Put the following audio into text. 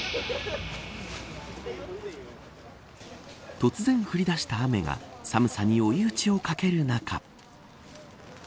突然降りだした雨が寒さに追い討ちをかける中。